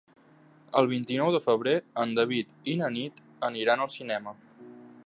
El vint-i-nou de febrer en David i na Nit aniran al cinema.